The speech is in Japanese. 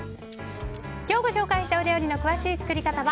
今日ご紹介したお料理の詳しい作り方は